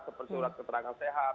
seperti surat keterangan sehat